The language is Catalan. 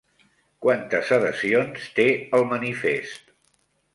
Quantes adhesions té el manifest?